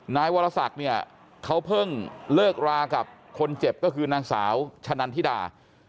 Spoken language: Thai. นายวรศักดิ์เนี่ยเขาเพิ่งเลิกรากับคนเจ็บก็คือนางสาวชะนันทิดา